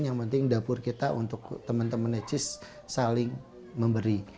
yang penting dapur kita untuk teman teman necis saling memberi